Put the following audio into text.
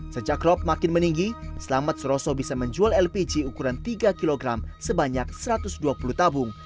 sejak rop makin meninggi selamat suroso bisa menjual lpg ukuran tiga kg sebanyak satu ratus dua puluh tabung